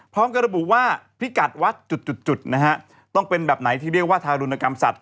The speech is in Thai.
พร้อมกับระบุว่าพิกัดวัดจุดนะฮะต้องเป็นแบบไหนที่เรียกว่าทารุณกรรมสัตว